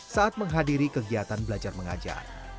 saat menghadiri kegiatan belajar mengajar